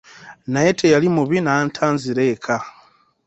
Naye teyali mubi n'anta nzire eka.